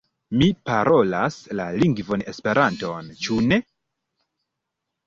Mi parolas la lingvon Esperanto, ĉu ne?